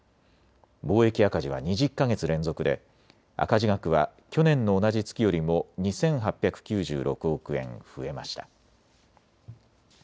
貿易赤字は２０か月連続で赤字額は去年の同じ月よりも２８９６億円増えました。